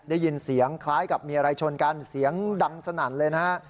ได้ยินเสียงคล้ายกับมีอะไรชนกันเสียงดังสนั่นเลยนะฮะ